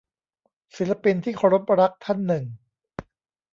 ศิลปินที่เคารพรักท่านหนึ่ง